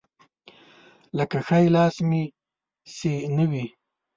لکه ښی لاس مې چې نه وي.